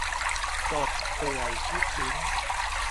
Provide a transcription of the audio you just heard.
สด เปื่อย ลูกชิ้น